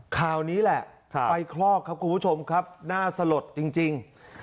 คราวนี้แหละไฟคลอกครับคุณผู้ชมครับน่าสลดจริง